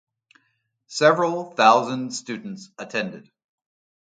Several thousand students attended.